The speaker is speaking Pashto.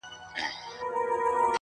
د لرګیو یې پر وکړله وارونه٫